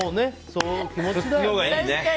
その気持ちだよね。